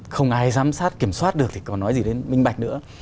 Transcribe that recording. không ai giám sát kiểm soát được thì còn nói gì đến minh bạch nữa